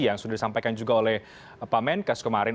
yang sudah disampaikan juga oleh pak menkes kemarin